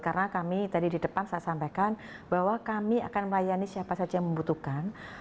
karena kami tadi di depan saya sampaikan bahwa kami akan melayani siapa saja yang membutuhkan